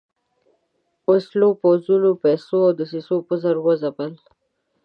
وسلو، پوځونو، پیسو او دسیسو په زور وځپل.